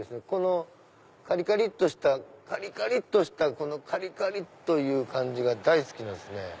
このカリカリっとしたカリカリっとしたこのカリカリっという感じが大好きなんですね。